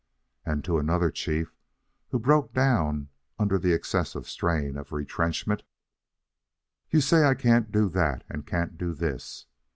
And to another chief, who broke down under the excessive strain of retrenchment: "You say I can't do that and can't do this.